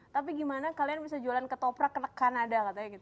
tapi gimana kalian bisa jualan ketoprak ke kanada katanya gitu